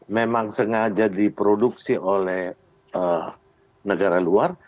memang sengaja diproduksi oleh negara luar